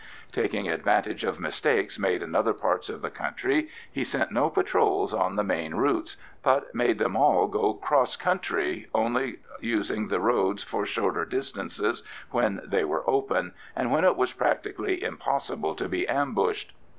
Taking advantage of mistakes made in other parts of the country, he sent no patrols on the main routes, but made them all go across country, only using the roads for short distances when they were open, and when it was practically impossible to be ambushed.